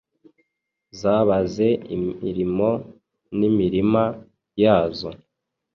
Zabaze imirimo n'imirima, yazo